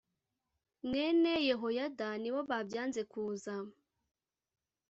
mwene yehoyada nibo babyanze kuza